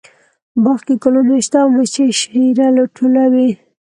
باغ کې ګلونه شته او مچۍ یې شیره ټولوي